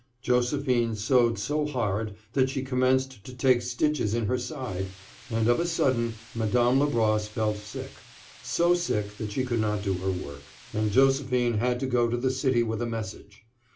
Josephine sewed so hard that she commenced to take stitches in her side, and of a sudden Madame Labrosse fell sick—so sick that she could not do her work, and Josephine had to go to the city with a message.